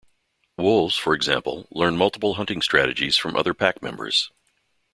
Wolves, for example, learn multiple hunting strategies from the other pack members.